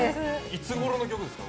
いつごろの曲ですか？